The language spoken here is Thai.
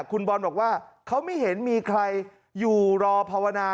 คุณบอลบอกว่าเขาไม่เห็นมีใครอยู่รอภาวนา